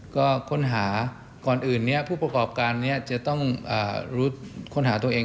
ก็ค้นหาก่อนอื่นนี้ผู้ประกอบการนี้จะต้องค้นหาตัวเอง